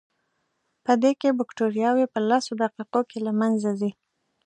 پدې کې بکټریاوې په لسو دقیقو کې له منځه ځي.